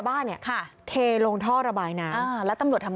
บ้านให้ต้องไปสะเฟ่สะเฟ่